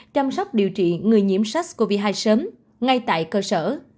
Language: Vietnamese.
chăm sóc điều trị người nhiễm sars cov hai sớm ngay tại cơ sở